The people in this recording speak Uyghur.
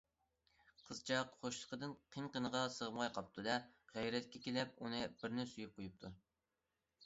قىزچاق خۇشلۇقىدىن قىن- قىنىغا سىغماي قاپتۇ- دە، غەيرەتكە كېلىپ ئۇنى بىرنى سۆيۈپ قويۇپتۇ.